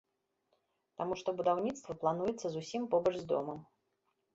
Таму што будаўніцтва плануецца зусім побач з домам.